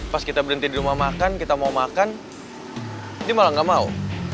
pas kita berhenti di rumah makan kita mau makan ini malah gak mau